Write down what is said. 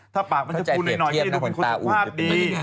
ถ้าปากมันจะพูนหน่อยก็จะดูเป็นคุณสภาพดี